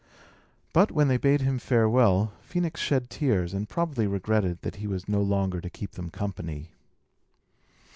But, when they bade him farewell, Phœnix shed tears, and probably regretted that he was no longer to keep them company.